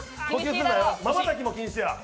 まばたきも禁止や。